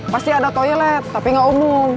pasti ada toilet tapi nggak umum